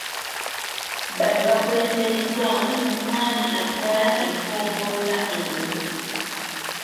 Bano bakulembeddwamu omwami atwala eggombolola eno.